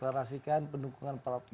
deklarasikan pendukungan pak prabowo